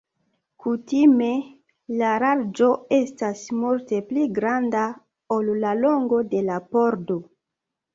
Kutime la larĝo estas multe pli granda ol la longo de la pordo.